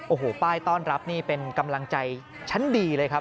โอ้โหป้ายต้อนรับนี่เป็นกำลังใจชั้นดีเลยครับ